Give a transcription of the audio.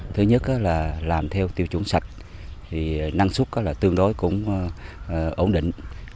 thứ nhất là làm theo tiêu chuẩn sạch thì năng suất tương đối cũng ổn định